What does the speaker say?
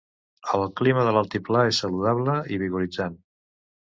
El clima de l'altiplà és saludable i vigoritzant.